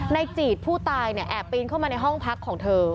จีดผู้ตายเนี่ยแอบปีนเข้ามาในห้องพักของเธอ